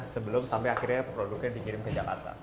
sebelum sampai akhirnya produknya dikirim ke jakarta